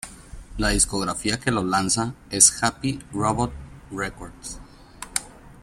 La discográfica que lo lanza es Happy Robot Records.